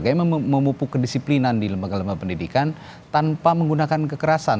gaya memupuk kedisiplinan di lembaga lembaga pendidikan tanpa menggunakan kekerasan